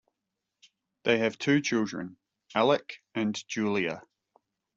They have two children, Alec and Julia.